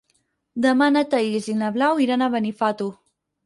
Demà na Thaís i na Blau iran a Benifato.